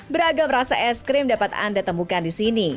beragam rasa ice cream dapat anda temukan di sini